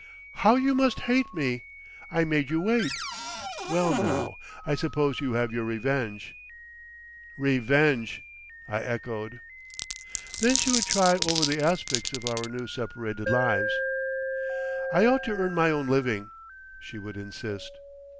"How you must hate me! I made you wait. Well now—I suppose you have your revenge." "Revenge!" I echoed. Then she would try over the aspects of our new separated lives. "I ought to earn my own living," she would insist.